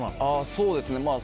そうですね。